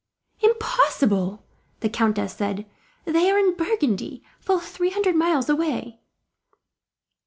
"Impossible!" the countess said. "They are in Burgundy, full three hundred miles away."